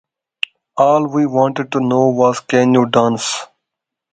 All we wanted to know was: Can you dance?